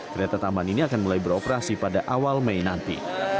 kereta tambahan ini akan mulai beroperasi pada awal mei nanti